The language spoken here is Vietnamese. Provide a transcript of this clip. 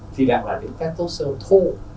thì lại là những testosterone thô